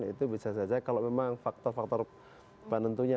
itu bisa saja kalau memang faktor faktor penentunya